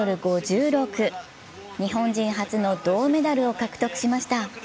日本人初の銅メダルを獲得しました。